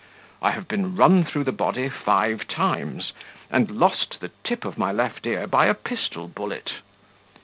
I have been run through the body five times, and lost the tip of my left ear by a pistol bullet.